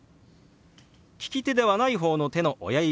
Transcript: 利き手ではない方の手の親指